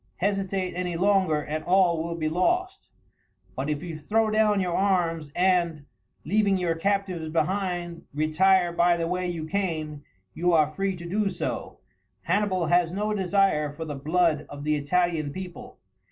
Hesitate any longer and all will be lost; but if you throw down your arms, and, leaving your captives behind, retire by the way you came, you are free to do so. Hannibal has no desire for the blood of the Italian people.